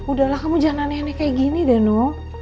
udahlah kamu jangan aneh aneh kayak gini deh nuh